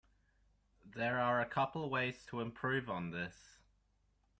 There are a couple ways to improve on this.